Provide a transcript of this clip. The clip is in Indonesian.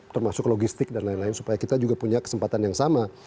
termasuk logistik dan lain lain supaya kita juga punya kesempatan yang sama